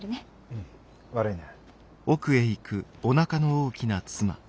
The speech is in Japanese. うん悪いね。